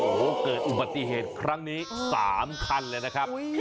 โอ้โหเกิดอุบัติเหตุครั้งนี้๓คันเลยนะครับ